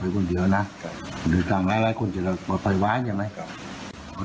คุณลองก็กลับไปแล้ว